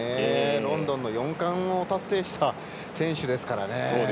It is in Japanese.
ロンドンの４冠を達成した選手ですからね。